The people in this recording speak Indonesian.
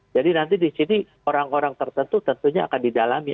jadi nanti disini orang orang tertentu tentunya akan didalami